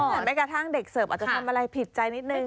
แต่แม้กระทั่งเด็กเสิร์ฟอาจจะทำอะไรผิดใจนิดนึง